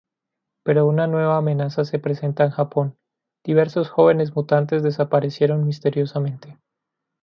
Pero una nueva amenaza se presenta en Japón, diversos jóvenes mutantes desaparecieron misteriosamente.